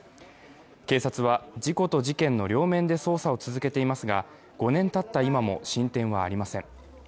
警察は事故と事件の両面で捜査を続けていますが、５年たった今も進展はありません。